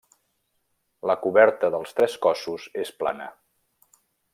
La coberta dels tres cossos és plana.